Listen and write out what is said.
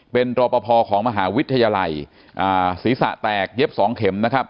เป็นตรอปภของมหาวิทยาลัยศีรษะแตกเย็บ๒เข็ม